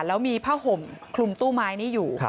แล้วมีผ้าห่มคลุมตู้ไม้นี้อยู่